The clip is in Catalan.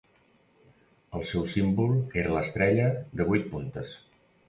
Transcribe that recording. El seu símbol era l'estrella de vuit puntes.